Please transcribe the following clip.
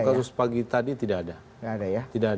kasus pagi tadi tidak ada